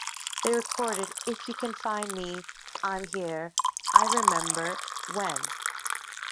They recorded "If You Can Find Me, I'm Here", "I Remember", "When?